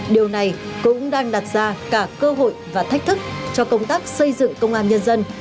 điều này cũng đang đặt ra cả cơ hội và thách thức cho công tác xây dựng công an nhân dân